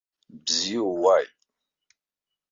Бзиа ууааит!